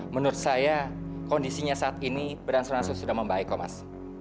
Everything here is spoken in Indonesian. menurut saya kondisinya saat ini berangsur angsur sudah membaik kok mas